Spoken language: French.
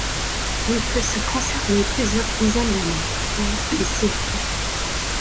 Il peut se conserver plusieurs dizaines d’années, voire des siècles.